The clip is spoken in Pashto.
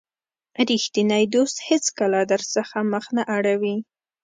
رښتینی دوست هیڅکله درڅخه مخ نه اړوي.